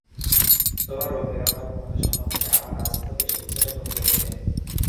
তোমার রোগ-নিরাময়ের ক্ষমতা সম্বন্ধে আমার আস্থা বেশ কিছুটা কমে যাচ্ছে।